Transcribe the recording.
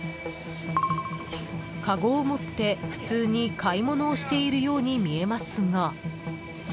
かごを持って、普通に買い物をしているように見えますが。